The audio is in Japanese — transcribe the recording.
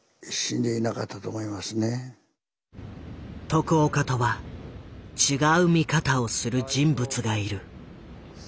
徳岡とは違う見方をする人物がいる。